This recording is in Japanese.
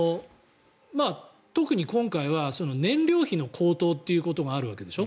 特に今回は燃料費の高騰ということがあるわけでしょ。